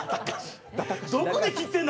どこで切ってんだ？